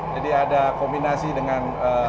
jadi ada kombinasi dengan